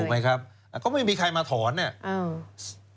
ไหมครับก็ไม่มีใครมาถอนเนี่ย